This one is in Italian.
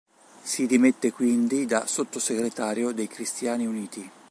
Si dimette quindi da sottosegretario dei Cristiani Uniti.